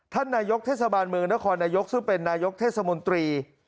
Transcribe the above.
ท่านนายกเทศบาลเมืองนครนายกซึ่งเป็นนายกเทศมนตรี